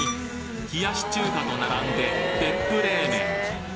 冷やし中華と並んで別府冷めん